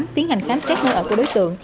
tiến hành khám xét nơi ở của đối tượng